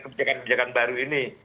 kebijakan kebijakan baru ini